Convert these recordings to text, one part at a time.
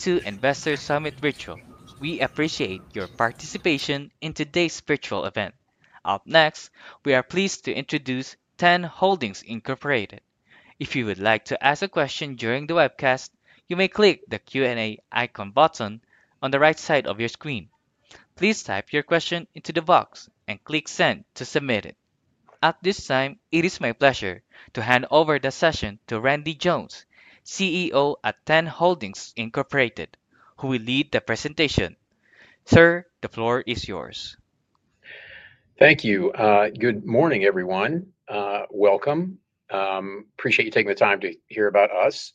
To Investor Summit Virtual, we appreciate your participation in today's virtual event. Up next, we are pleased to introduce TEN Holdings Incorporated. If you would like to ask a question during the webcast, you may click the Q&A icon button on the right side of your screen. Please type your question into the box and click Send to submit it. At this time, it is my pleasure to hand over the session to Randy Jones, CEO at TEN Holdings Incorporated, who will lead the presentation. Sir, the floor is yours. Thank you. Good morning, everyone. Welcome. Appreciate you taking the time to hear about us.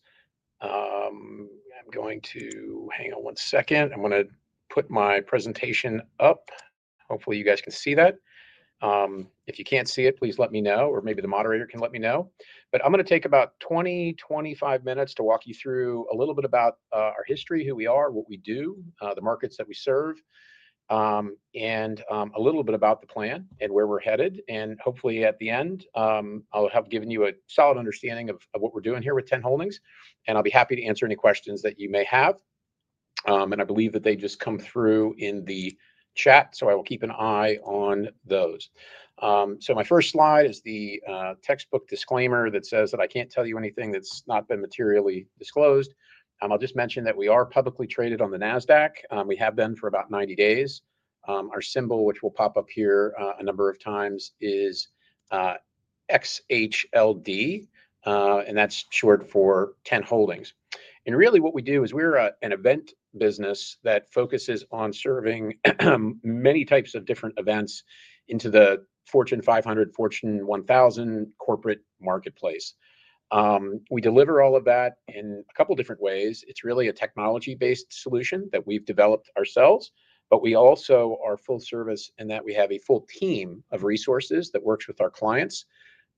I'm going to hang on one second. I'm going to put my presentation up. Hopefully, you guys can see that. If you can't see it, please let me know, or maybe the moderator can let me know. I'm going to take about 20 minutes-25 minutes to walk you through a little bit about our history, who we are, what we do, the markets that we serve, and a little bit about the plan and where we're headed. Hopefully, at the end, I'll have given you a solid understanding of what we're doing here with TEN Holdings. I'll be happy to answer any questions that you may have. I believe that they just come through in the chat, so I will keep an eye on those. My first slide is the textbook disclaimer that says that I can't tell you anything that's not been materially disclosed. I'll just mention that we are publicly traded on the NASDAQ. We have been for about 90 days. Our symbol, which will pop up here a number of times, is XHLD, and that's short for TEN Holdings. Really, what we do is we're an event business that focuses on serving many types of different events into the Fortune 500, Fortune 1000 corporate marketplace. We deliver all of that in a couple of different ways. It's really a technology-based solution that we've developed ourselves, but we also are full service in that we have a full team of resources that works with our clients,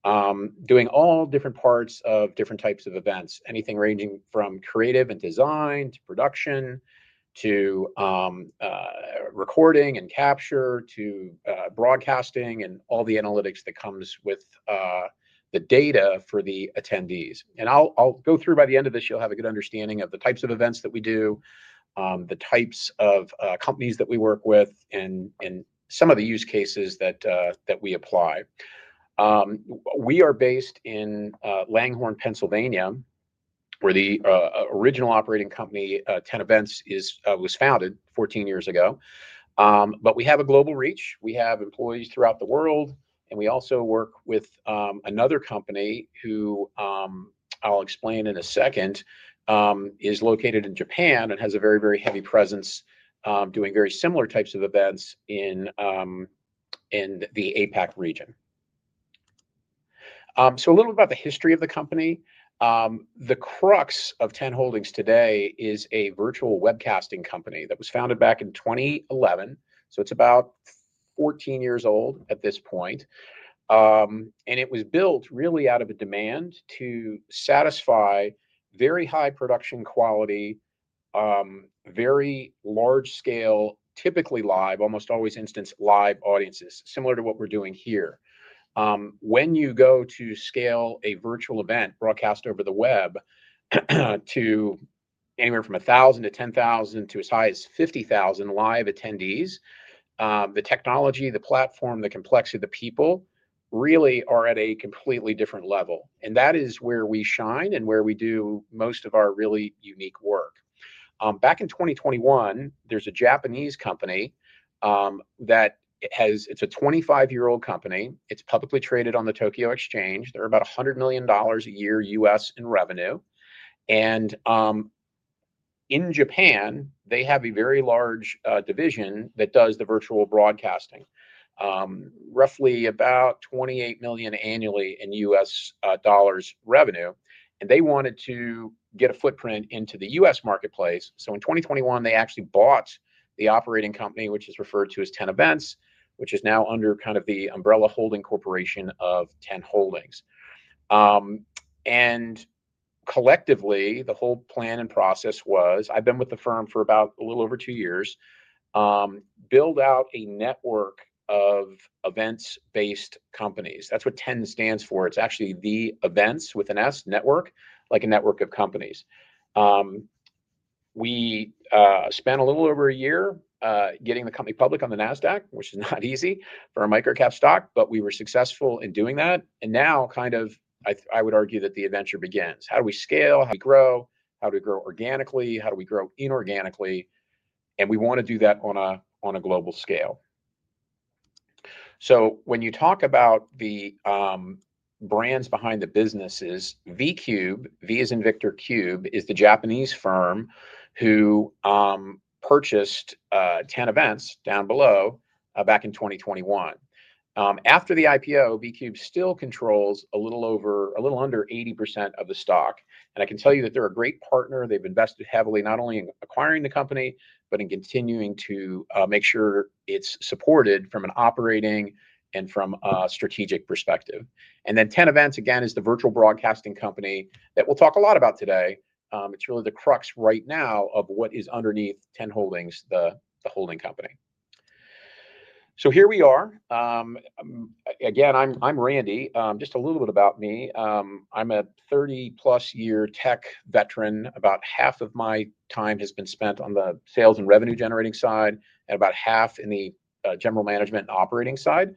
doing all different parts of different types of events, anything ranging from creative and design to production to recording and capture to broadcasting and all the analytics that comes with the data for the attendees. I'll go through by the end of this, you'll have a good understanding of the types of events that we do, the types of companies that we work with, and some of the use cases that we apply. We are based in Langhorne, Pennsylvania, where the original operating company, Ten Events, was founded 14 years ago. We have a global reach. We have employees throughout the world. We also work with another company who, I'll explain in a second, is located in Japan and has a very, very heavy presence doing very similar types of events in the APAC region. A little bit about the history of the company. The crux of TEN Holdings today is a virtual webcasting company that was founded back in 2011. It is about 14 years old at this point. It was built really out of a demand to satisfy very high production quality, very large scale, typically live, almost always instance live audiences, similar to what we're doing here. When you go to scale a virtual event broadcast over the web to anywhere from 1,000-10,000 to as high as 50,000 live attendees, the technology, the platform, the complexity of the people really are at a completely different level. That is where we shine and where we do most of our really unique work. Back in 2021, there's a Japanese company that has, it's a 25-year-old company. It's publicly traded on the Tokyo Exchange. They're about $100 million a year U.S. in revenue. In Japan, they have a very large division that does the virtual broadcasting, roughly about $28 million annually in US dollars revenue. They wanted to get a footprint into the US marketplace. In 2021, they actually bought the operating company, which is referred to as Ten Events, which is now under kind of the umbrella holding corporation of TEN Holdings. Collectively, the whole plan and process was, I've been with the firm for about a little over two years, build out a network of events-based companies. That's what TEN stands for. It's actually the events with an S, network, like a network of companies. We spent a little over a year getting the company public on the NASDAQ, which is not easy for a microcap stock, but we were successful in doing that. I would argue that the adventure begins. How do we scale? How do we grow? How do we grow organically? How do we grow inorganically? We want to do that on a global scale. When you talk about the brands behind the businesses, V-Cube, V as in Victor, Cube is the Japanese firm who purchased Ten Events down below back in 2021. After the IPO, V-Cube still controls a little under 80% of the stock. I can tell you that they're a great partner. They've invested heavily not only in acquiring the company, but in continuing to make sure it's supported from an operating and from a strategic perspective. Ten Events, again, is the virtual broadcasting company that we'll talk a lot about today. It's really the crux right now of what is underneath TEN Holdings, the holding company. Here we are. Again, I'm Randy. Just a little bit about me. I'm a 30+ year tech veteran. About half of my time has been spent on the sales and revenue generating side and about half in the general management and operating side.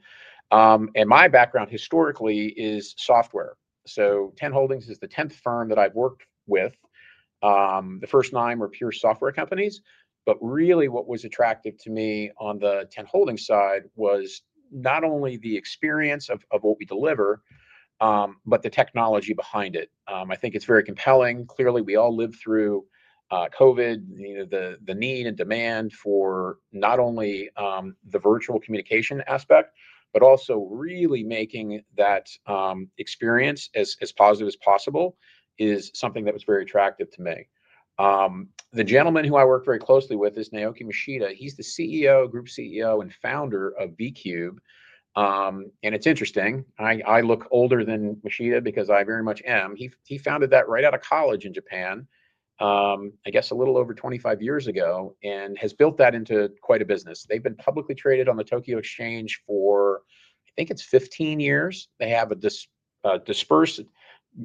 My background historically is software. TEN Holdings is the 10th firm that I've worked with. The first nine were pure software companies. What was attractive to me on the TEN Holdings side was not only the experience of what we deliver, but the technology behind it. I think it's very compelling. Clearly, we all lived through COVID, the need and demand for not only the virtual communication aspect, but also really making that experience as positive as possible is something that was very attractive to me. The gentleman who I work very closely with is Naoaki Mashita. He's the CEO, Group CEO, and founder of V-Cube. It's interesting. I look older than Mashita because I very much am. He founded that right out of college in Japan, I guess a little over 25 years ago, and has built that into quite a business. They've been publicly traded on the Tokyo Exchange for, I think it's 15 years. They have a dispersed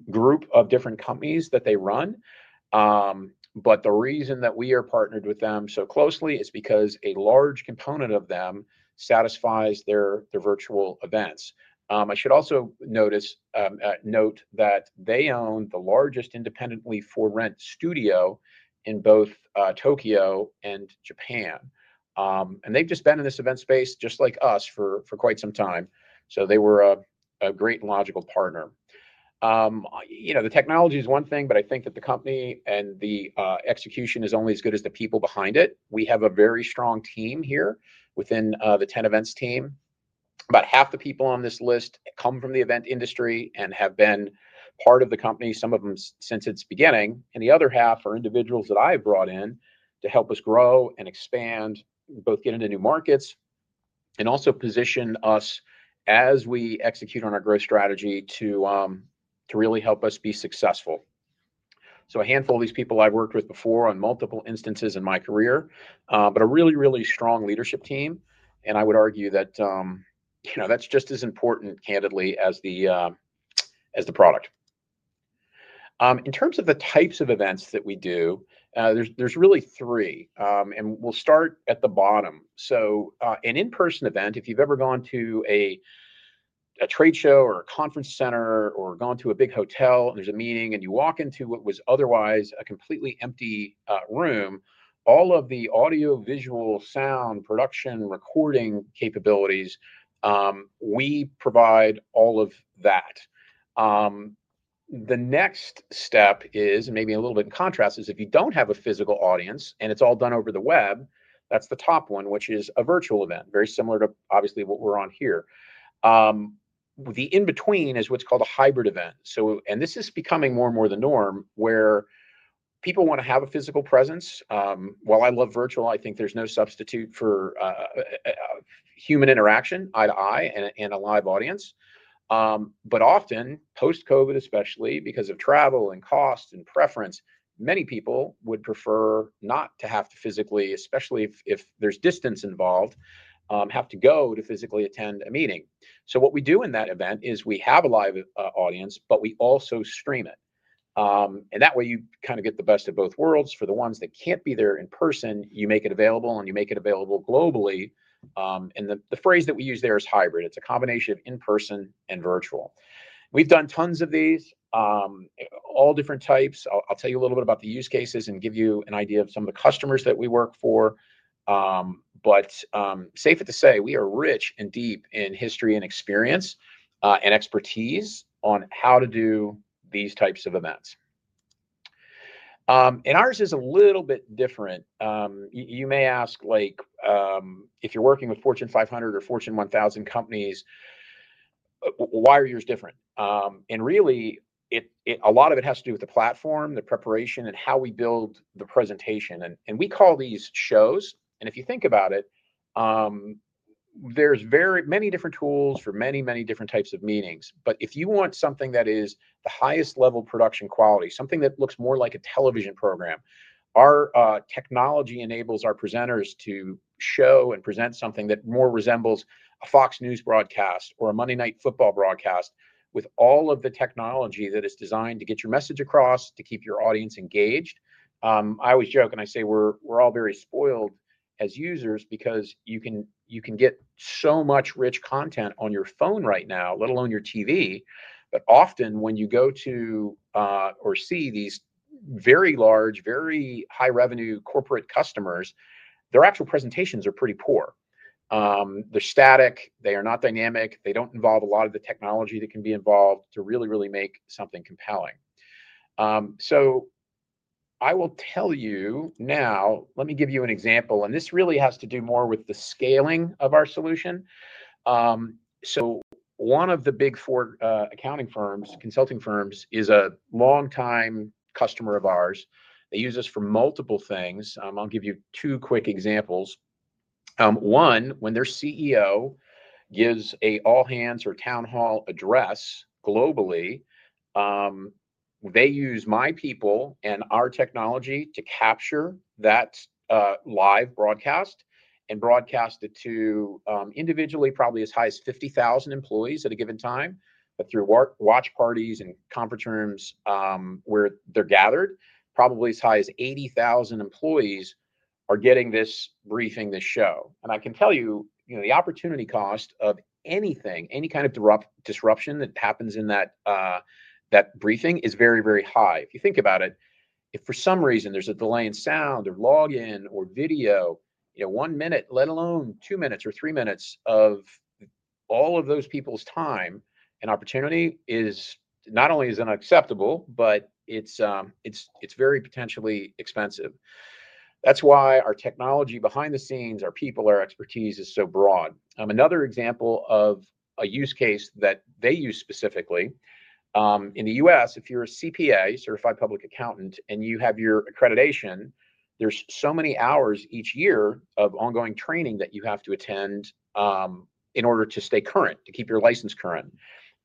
group of different companies that they run. The reason that we are partnered with them so closely is because a large component of them satisfies their virtual events. I should also note that they own the largest independently for rent studio in both Tokyo and Japan. They have just been in this event space just like us for quite some time. They were a great logical partner. The technology is one thing, but I think that the company and the execution is only as good as the people behind it. We have a very strong team here within the Ten Events team. About half the people on this list come from the event industry and have been part of the company, some of them since its beginning. The other half are individuals that I have brought in to help us grow and expand, both get into new markets and also position us as we execute on our growth strategy to really help us be successful. A handful of these people I've worked with before on multiple instances in my career, but a really, really strong leadership team. I would argue that that's just as important, candidly, as the product. In terms of the types of events that we do, there's really three. We'll start at the bottom. An in-person event, if you've ever gone to a trade show or a conference center or gone to a big hotel and there's a meeting and you walk into what was otherwise a completely empty room, all of the audio-visual sound production recording capabilities, we provide all of that. The next step is, and maybe a little bit in contrast, is if you don't have a physical audience and it's all done over the web, that's the top one, which is a virtual event, very similar to obviously what we're on here. The in-between is what's called a hybrid event. This is becoming more and more the norm where people want to have a physical presence. While I love virtual, I think there's no substitute for human interaction, eye to eye and a live audience. Often, post-COVID, especially because of travel and cost and preference, many people would prefer not to have to physically, especially if there's distance involved, have to go to physically attend a meeting. What we do in that event is we have a live audience, but we also stream it. That way, you kind of get the best of both worlds. For the ones that can't be there in person, you make it available, and you make it available globally. The phrase that we use there is hybrid. It's a combination of in-person and virtual. We've done tons of these, all different types. I'll tell you a little bit about the use cases and give you an idea of some of the customers that we work for. Safe to say, we are rich and deep in history and experience and expertise on how to do these types of events. Ours is a little bit different. You may ask if you're working with Fortune 500 or Fortune 1000 companies, why are yours different? Really, a lot of it has to do with the platform, the preparation, and how we build the presentation. We call these shows. If you think about it, there's many different tools for many, many different types of meetings. If you want something that is the highest level production quality, something that looks more like a television program, our technology enables our presenters to show and present something that more resembles a Fox News broadcast or a Monday Night Football broadcast with all of the technology that is designed to get your message across to keep your audience engaged. I always joke and I say we're all very spoiled as users because you can get so much rich content on your phone right now, let alone your TV. Often, when you go to or see these very large, very high-revenue corporate customers, their actual presentations are pretty poor. They're static. They are not dynamic. They do not involve a lot of the technology that can be involved to really, really make something compelling. I will tell you now, let me give you an example. This really has to do more with the scaling of our solution. One of the big four accounting firms, consulting firms, is a longtime customer of ours. They use us for multiple things. I will give you two quick examples. One, when their CEO gives an all-hands or town hall address globally, they use my people and our technology to capture that live broadcast and broadcast it to individually, probably as high as 50,000 employees at a given time, but through watch parties and conference rooms where they are gathered, probably as high as 80,000 employees are getting this briefing, this show. I can tell you the opportunity cost of anything, any kind of disruption that happens in that briefing is very, very high. If you think about it, if for some reason there is a delay in sound or login or video, one minute, let alone two minutes or three minutes of all of those people's time and opportunity is not only unacceptable, but it is very potentially expensive. That is why our technology behind the scenes, our people, our expertise is so broad. Another example of a use case that they use specifically, in the U.S., if you are a CPA, Certified Public Accountant, and you have your accreditation, there are so many hours each year of ongoing training that you have to attend in order to stay current, to keep your license current.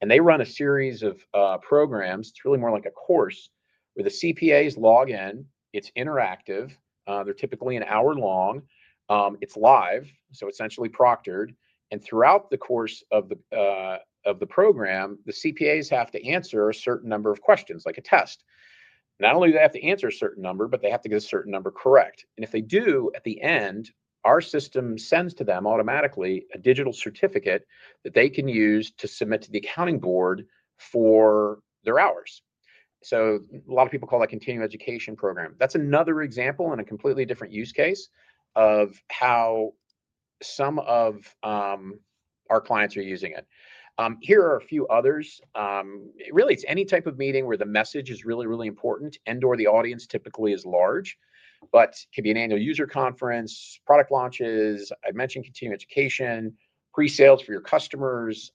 They run a series of programs. It is really more like a course where the CPAs log in. It is interactive. They're typically an hour long. It's live, so essentially proctored. Throughout the course of the program, the CPAs have to answer a certain number of questions, like a test. Not only do they have to answer a certain number, but they have to get a certain number correct. If they do, at the end, our system sends to them automatically a digital certificate that they can use to submit to the accounting board for their hours. A lot of people call that continuing education program. That's another example and a completely different use case of how some of our clients are using it. Here are a few others. Really, it's any type of meeting where the message is really, really important and/or the audience typically is large, but it could be an annual user conference, product launches. I mentioned continuing education, pre-sales for your customers,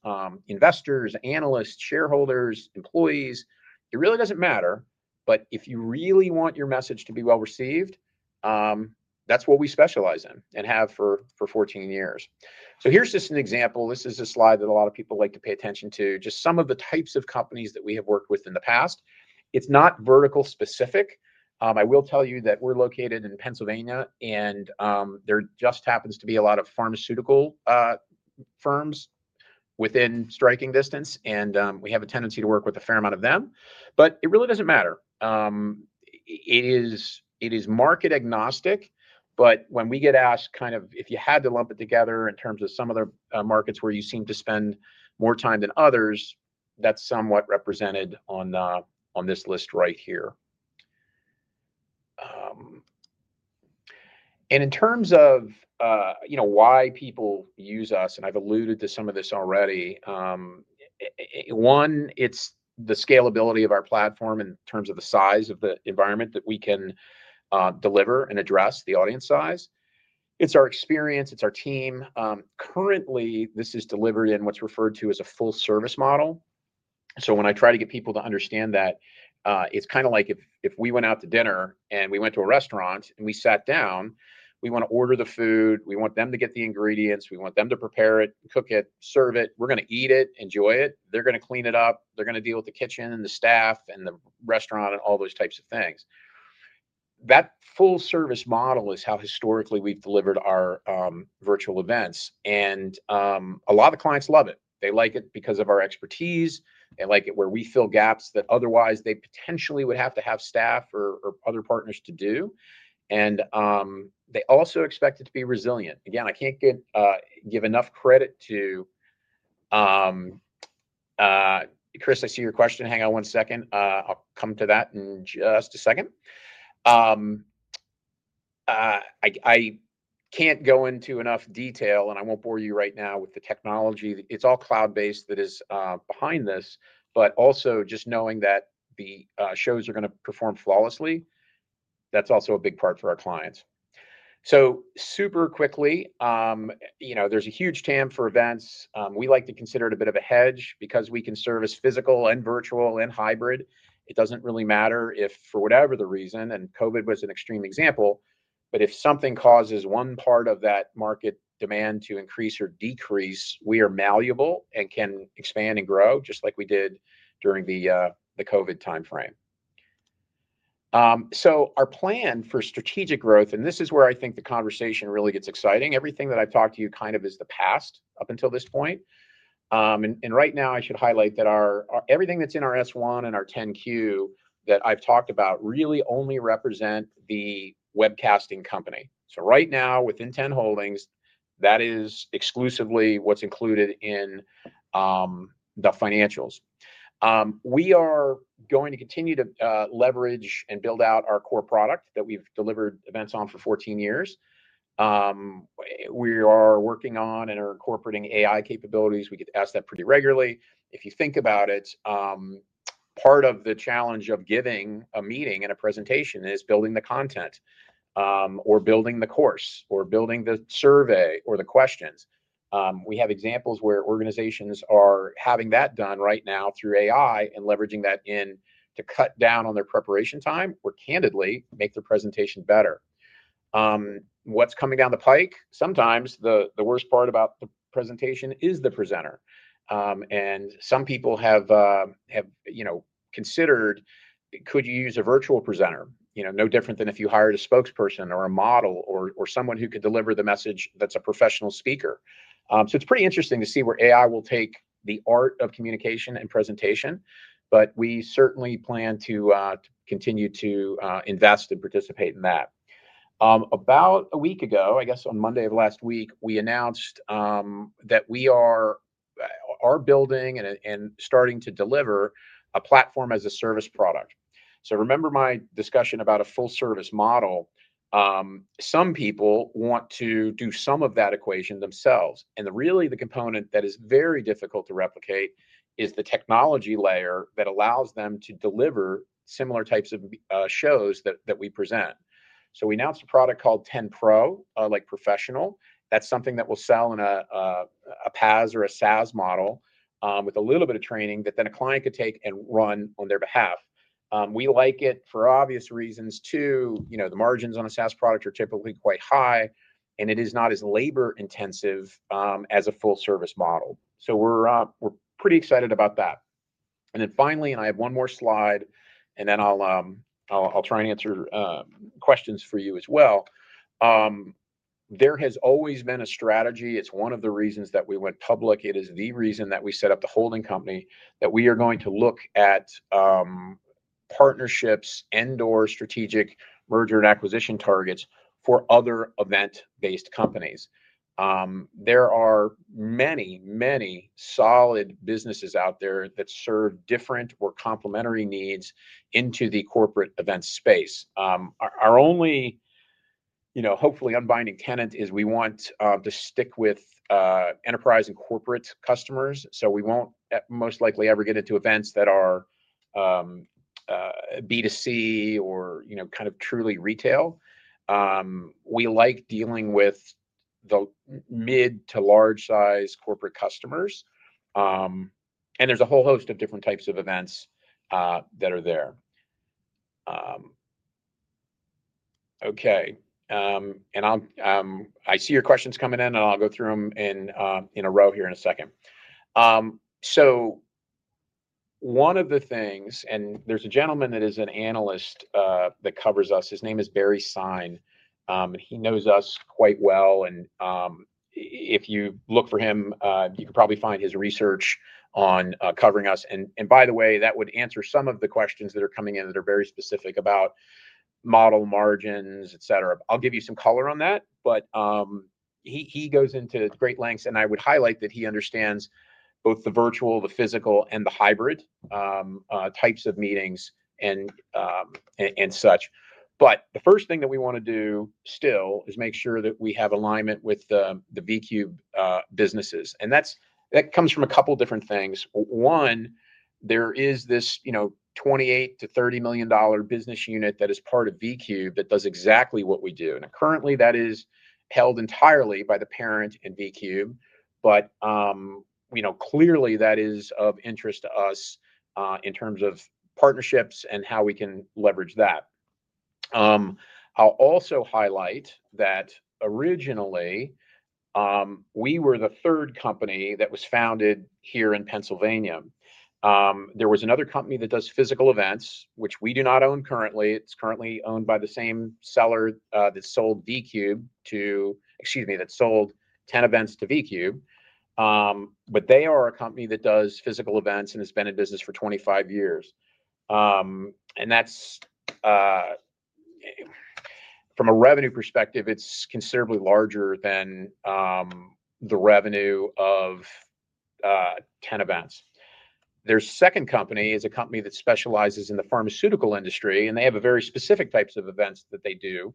investors, analysts, shareholders, employees. It really doesn't matter. If you really want your message to be well received, that's what we specialize in and have for 14 years. Here's just an example. This is a slide that a lot of people like to pay attention to, just some of the types of companies that we have worked with in the past. It's not vertical specific. I will tell you that we're located in Pennsylvania, and there just happens to be a lot of pharmaceutical firms within striking distance. We have a tendency to work with a fair amount of them. It really doesn't matter. It is market agnostic. When we get asked kind of if you had to lump it together in terms of some of the markets where you seem to spend more time than others, that's somewhat represented on this list right here. In terms of why people use us, and I've alluded to some of this already, one, it's the scalability of our platform in terms of the size of the environment that we can deliver and address the audience size. It's our experience. It's our team. Currently, this is delivered in what's referred to as a full-service model. When I try to get people to understand that, it's kind of like if we went out to dinner and we went to a restaurant and we sat down, we want to order the food. We want them to get the ingredients. We want them to prepare it, cook it, serve it. We're going to eat it, enjoy it. They're going to clean it up. They're going to deal with the kitchen and the staff and the restaurant and all those types of things. That full-service model is how historically we've delivered our virtual events. A lot of clients love it. They like it because of our expertise. They like it where we fill gaps that otherwise they potentially would have to have staff or other partners to do. They also expect it to be resilient. Again, I can't give enough credit to Chris. I see your question. Hang on one second. I'll come to that in just a second. I can't go into enough detail, and I won't bore you right now with the technology. It's all cloud-based that is behind this. But also just knowing that the shows are going to perform flawlessly, that's also a big part for our clients. Super quickly, there's a huge TAM for events. We like to consider it a bit of a hedge because we can service physical and virtual and hybrid. It doesn't really matter if for whatever the reason, and COVID was an extreme example, if something causes one part of that market demand to increase or decrease, we are malleable and can expand and grow just like we did during the COVID timeframe. Our plan for strategic growth, and this is where I think the conversation really gets exciting. Everything that I've talked to you kind of is the past up until this point. Right now, I should highlight that everything that's in our S-1 and our 10-Q that I've talked about really only represent the webcasting company. Right now, within TEN Holdings, that is exclusively what's included in the financials. We are going to continue to leverage and build out our core product that we've delivered events on for 14 years. We are working on and are incorporating AI capabilities. We get asked that pretty regularly. If you think about it, part of the challenge of giving a meeting and a presentation is building the content or building the course or building the survey or the questions. We have examples where organizations are having that done right now through AI and leveraging that in to cut down on their preparation time or candidly make their presentation better. What's coming down the pike? Sometimes the worst part about the presentation is the presenter. Some people have considered, "Could you use a virtual presenter?" No different than if you hired a spokesperson or a model or someone who could deliver the message that's a professional speaker. It is pretty interesting to see where AI will take the art of communication and presentation. We certainly plan to continue to invest and participate in that. About a week ago, I guess on Monday of last week, we announced that we are building and starting to deliver a platform as a service product. Remember my discussion about a full-service model? Some people want to do some of that equation themselves. Really, the component that is very difficult to replicate is the technology layer that allows them to deliver similar types of shows that we present. We announced a product called 10 Pro, like professional. That's something that will sell in a PaaS or a SaaS model with a little bit of training that then a client could take and run on their behalf. We like it for obvious reasons too. The margins on a SaaS product are typically quite high, and it is not as labor-intensive as a full-service model. We're pretty excited about that. Finally, I have one more slide, and then I'll try and answer questions for you as well. There has always been a strategy. It's one of the reasons that we went public. It is the reason that we set up the holding company that we are going to look at partnerships and/or strategic merger and acquisition targets for other event-based companies. There are many, many solid businesses out there that serve different or complementary needs into the corporate event space. Our only hopefully unbinding tenet is we want to stick with enterprise and corporate customers. We won't most likely ever get into events that are B2C or kind of truly retail. We like dealing with the mid to large-sized corporate customers. There is a whole host of different types of events that are there. Okay. I see your questions coming in, and I'll go through them in a row here in a second. One of the things, and there is a gentleman that is an analyst that covers us. His name is Barry Stein. He knows us quite well. If you look for him, you can probably find his research on covering us. By the way, that would answer some of the questions that are coming in that are very specific about model margins, etc. I'll give you some color on that. He goes into great lengths. I would highlight that he understands both the virtual, the physical, and the hybrid types of meetings and such. The first thing that we want to do still is make sure that we have alignment with the V-Cube businesses. That comes from a couple of different things. One, there is this $28 million-$30 million business unit that is part of V-Cube that does exactly what we do. Currently, that is held entirely by the parent in V-Cube. Clearly, that is of interest to us in terms of partnerships and how we can leverage that. I'll also highlight that originally, we were the third company that was founded here in Pennsylvania. There was another company that does physical events, which we do not own currently. It's currently owned by the same seller that sold Ten Events to V-Cube. They are a company that does physical events and has been in business for 25 years. From a revenue perspective, it's considerably larger than the revenue of Ten Events. Their second company is a company that specializes in the pharmaceutical industry, and they have very specific types of events that they do.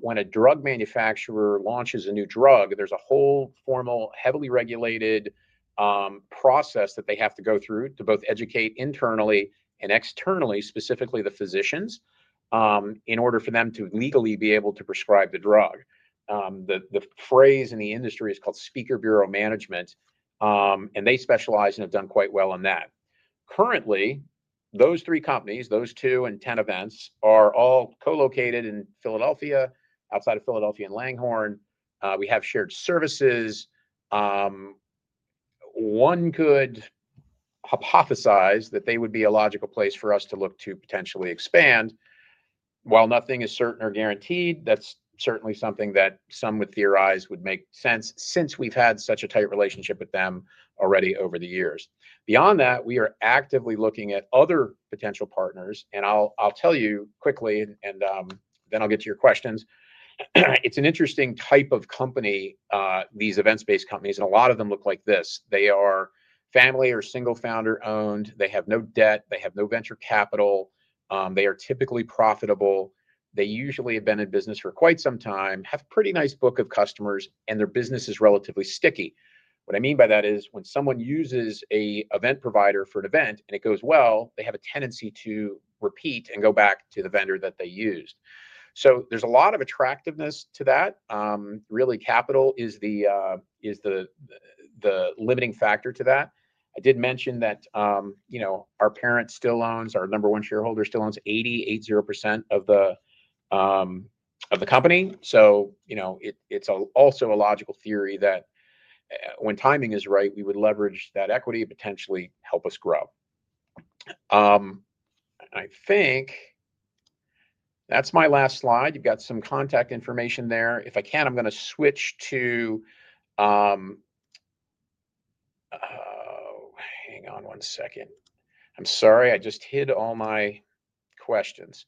When a drug manufacturer launches a new drug, there's a whole formal, heavily regulated process that they have to go through to both educate internally and externally, specifically the physicians, in order for them to legally be able to prescribe the drug. The phrase in the industry is called Speaker Bureau Management, and they specialize and have done quite well on that. Currently, those three companies, those two and Ten Events, are all co-located in Philadelphia, outside of Philadelphia and Langhorne. We have shared services. One could hypothesize that they would be a logical place for us to look to potentially expand. While nothing is certain or guaranteed, that's certainly something that some would theorize would make sense since we've had such a tight relationship with them already over the years. Beyond that, we are actively looking at other potential partners. I'll tell you quickly, and then I'll get to your questions. It's an interesting type of company, these events-based companies, and a lot of them look like this. They are family or single-founder-owned. They have no debt. They have no venture capital. They are typically profitable. They usually have been in business for quite some time, have a pretty nice book of customers, and their business is relatively sticky. What I mean by that is when someone uses an event provider for an event and it goes well, they have a tendency to repeat and go back to the vendor that they used. There is a lot of attractiveness to that. Really, capital is the limiting factor to that. I did mention that our parent, our number one shareholder, still owns 80% of the company. It is also a logical theory that when timing is right, we would leverage that equity and potentially help us grow. I think that is my last slide. You have got some contact information there. If I can, I am going to switch to—hang on one second. I am sorry. I just hid all my questions.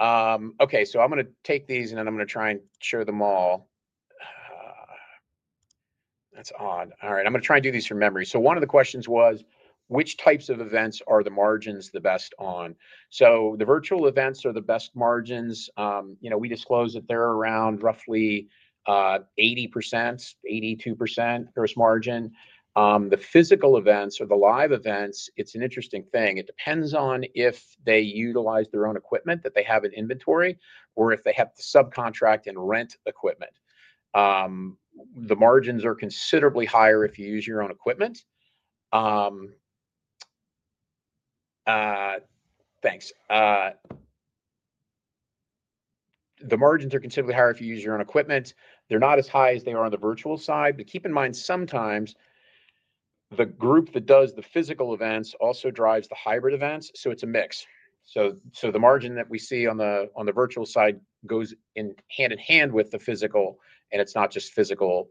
Okay. I am going to take these, and then I am going to try and share them all. That is odd. All right. I'm going to try and do these from memory. One of the questions was, which types of events are the margins the best on? The virtual events are the best margins. We disclose that they're around roughly 80%-82% gross margin. The physical events or the live events, it's an interesting thing. It depends on if they utilize their own equipment that they have in inventory or if they have to subcontract and rent equipment. The margins are considerably higher if you use your own equipment. Thanks. The margins are considerably higher if you use your own equipment. They're not as high as they are on the virtual side. Keep in mind, sometimes the group that does the physical events also drives the hybrid events. It's a mix. The margin that we see on the virtual side goes hand in hand with the physical, and it's not just physical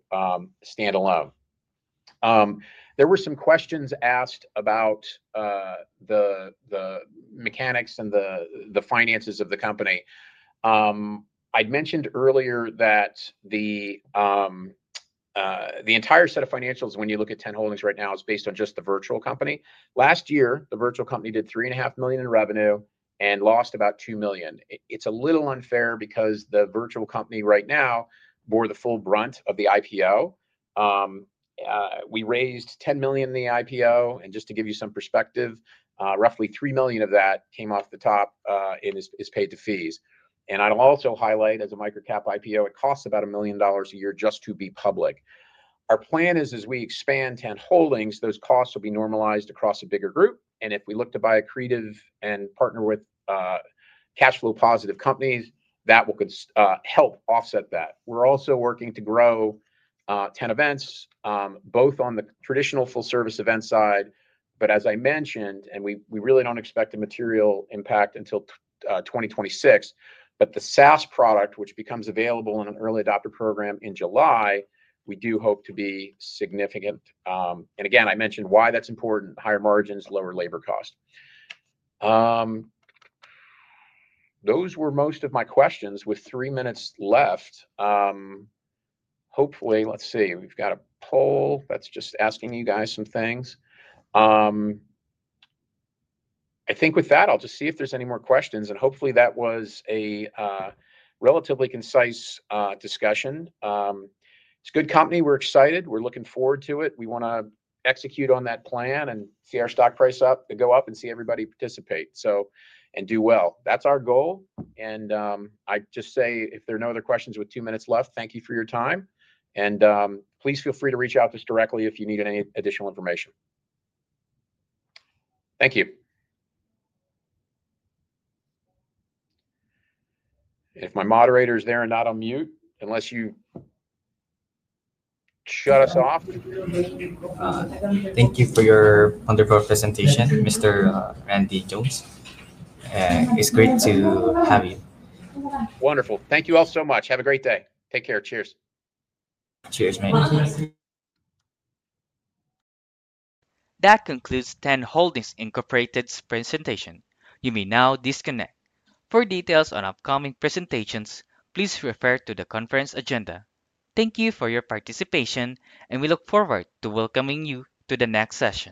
standalone. There were some questions asked about the mechanics and the finances of the company. I'd mentioned earlier that the entire set of financials, when you look at TEN Holdings right now, is based on just the virtual company. Last year, the virtual company did $3.5 million in revenue and lost about $2 million. It's a little unfair because the virtual company right now bore the full brunt of the IPO. We raised $10 million in the IPO. Just to give you some perspective, roughly $3 million of that came off the top and is paid to fees. I'll also highlight, as a microcap IPO, it costs about $1 million a year just to be public. Our plan is, as we expand TEN Holdings, those costs will be normalized across a bigger group. If we look to buy accretive and partner with cash flow positive companies, that will help offset that. We're also working to grow Ten Events, both on the traditional full-service event side. As I mentioned, we really do not expect a material impact until 2026, but the SaaS product, which becomes available in an early adopter program in July, we do hope to be significant. I mentioned why that's important: higher margins, lower labor cost. Those were most of my questions with three minutes left. Hopefully, let's see. We've got a poll that's just asking you guys some things. I think with that, I'll just see if there's any more questions. Hopefully, that was a relatively concise discussion. It's a good company. We're excited. We're looking forward to it. We want to execute on that plan and see our stock price go up and see everybody participate and do well. That's our goal. I just say, if there are no other questions with two minutes left, thank you for your time. Please feel free to reach out to us directly if you need any additional information. Thank you. If my moderator is there and not on mute, unless you shut us off. Thank you for your wonderful presentation, Mr. Randy Jones. It's great to have you. Wonderful. Thank you all so much. Have a great day. Take care. Cheers. Cheers, man. That concludes TEN Holdings Incorporated's presentation. You may now disconnect. For details on upcoming presentations, please refer to the conference agenda. Thank you for your participation, and we look forward to welcoming you to the next session.